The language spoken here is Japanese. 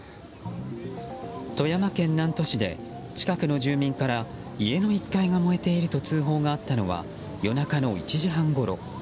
富山県南砺市で、近くの住民から家の１階が燃えていると通報があったのは夜中の１時半ごろ。